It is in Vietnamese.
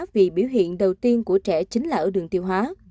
vì biểu hiện đầu tiên của trẻ chính là ở đường tiêu hóa